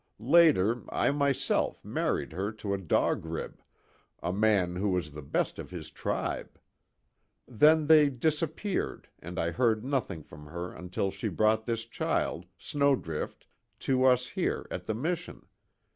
Later, I, myself, married her to a Dog Rib, a man who was the best of his tribe. Then they disappeared and I heard nothing from her until she brought this child, Snowdrift, to us here at the mission.